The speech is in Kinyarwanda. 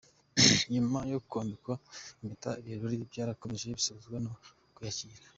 Nyuma yo kwambikwa impeta, ibirori byarakomeje bisozwa no kwiyakira.